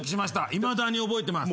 いまだに覚えてます。